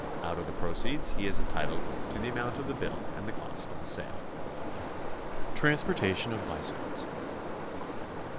Out of the proceeds he is entitled to the amount of the bill and the cost of the sale. TRANSPORTATION OF BICYCLES.